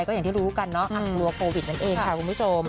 ก็อย่างที่รู้กันเนอะอังกฎว่าโปรวิดมันเองค่ะคุณผู้ชม